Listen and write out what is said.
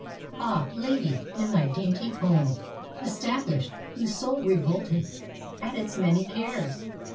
1 LADY, in thy dainty , home, established; whose soul revolteth at its many cares.